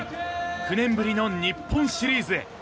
９年ぶりの日本シリーズへ。